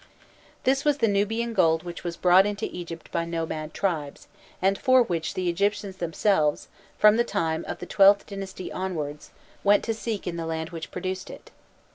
This was the Nubian gold which was brought into Egypt by nomad tribes, and for which the Egyptians themselves, from the time of the XIIth dynasty onwards, went to seek in the land which produced it.